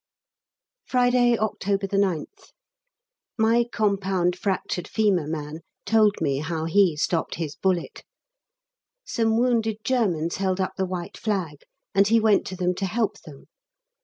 Friday, October 9th. My compound fractured femur man told me how he stopped his bullet. Some wounded Germans held up the white flag and he went to them to help them.